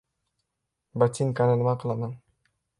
— Botinkani nima qilaman?